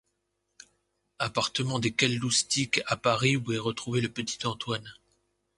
Appartement des Kelloustik à Paris où est retrouvé le petit Antoine.